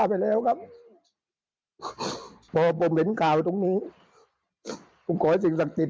ไปแล้วครับพอผมเห็นข่าวตรงนี้ผมขอให้สิ่งศักดิ์สิทธิ